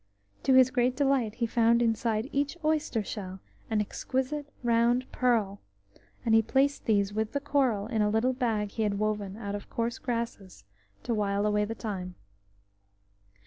To his great delight he found inside each oyster. shell an exquisite round pearl, and he placed these with the coral in a little bag he had woven out of coarse grasses, to while away the time.